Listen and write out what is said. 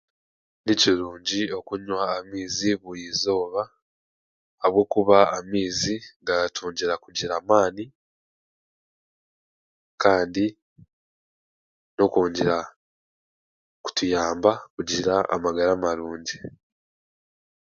Nikirungi okunywa amaizi burizooba ahabw'okuba amaizi garatwongyera kugira amaani kandi n'okwongyera kutuyamba kugira amagara marungi.